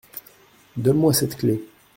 Donne-moi cette clé !